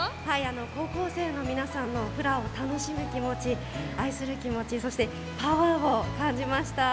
高校生の皆さんのフラを楽しむ気持ち愛する気持ちそしてパワーを感じました。